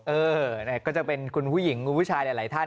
เออก็จะเป็นคุณผู้หญิงคุณผู้ชายหลายท่าน